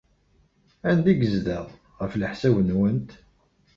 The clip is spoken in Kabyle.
Anda ay yezdeɣ, ɣef leḥsab-nwent?